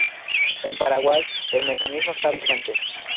En Paraguay, el mecanismo está vigente.